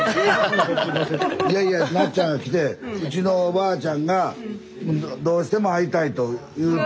いやいやなっちゃんが来てうちのおばあちゃんがどうしても会いたいと。